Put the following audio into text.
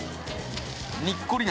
にっこり梨。